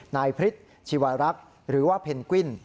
นายพฤษชีวรักษ์หรือว่าเพนกวิ้น